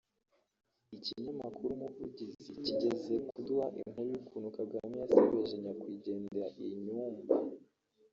Ikinyamakuru Umuvugizi kigeze kuduha inkuru y’ukuntu Kagame yasebeje nyakwigendera Inyumba